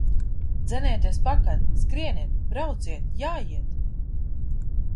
Dzenieties pakaļ! Skrieniet, brauciet, jājiet!